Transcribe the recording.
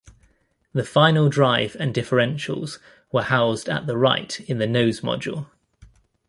The final drive and differentials were housed at the right in the nose module.